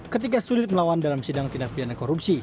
ketika sulit melawan dalam sidang tindak pidana korupsi